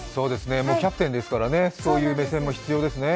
もうキャプテンですから、そういう目線も必要ですね。